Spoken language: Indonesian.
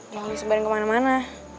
jangan disebarin kemana mana